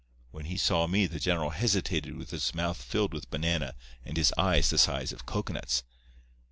When he saw me the general hesitated with his mouth filled with banana and his eyes the size of cocoanuts.